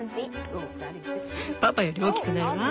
パパより大きくなるわ。